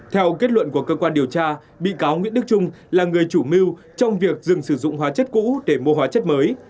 theo kết luận của cơ quan điều tra bị cáo nguyễn đức trung là người chủ mưu trong việc dừng sử dụng hóa chất cũ để mua hóa chất mới